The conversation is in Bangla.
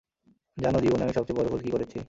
জানো, জীবনে আমি সবচেয়ে বড় ভুল কী করেছি?